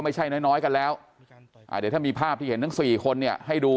ไม่ใช่น้อยกันแล้วเดี๋ยวถ้ามีภาพที่เห็นทั้ง๔คนเนี่ยให้ดู